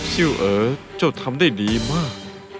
ชื่อเออเจ้าทำได้ดีมาก